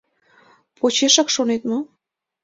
— Почешак, шонет мо?